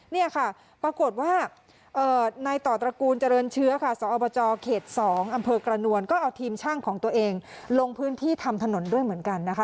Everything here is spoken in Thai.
นี่ค่ะปรากฏว่าในต่อตระกูลเจริญเชื้อค่ะสอบจเขต๒อำเภอกระนวลก็เอาทีมช่างของตัวเองลงพื้นที่ทำถนนด้วยเหมือนกันนะคะ